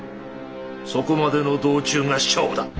そこまでの道中が勝負だ。